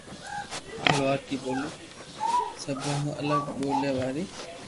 لوھارڪي ٻولي سبو مون الگ ٻوليا واري